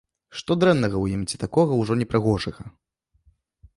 Што дрэннага ў ім ці такога ўжо непрыгожага?